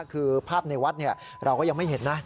คือภาพในวัดเราก็ยังไม่เห็นนะ